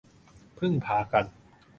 พึ่งพากัน